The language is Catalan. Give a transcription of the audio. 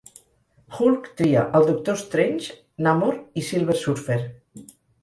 Hulk tria el Doctor Strange, Namor i Silver Surfer.